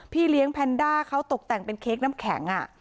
พี่เลี้ยงแพนด้าเขาตกแต่งเป็นเค้กน้ำแข็ง